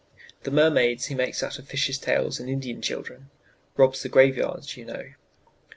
"The mermaids he makes out of fishes' tails and Indian children robs the graveyards, you know.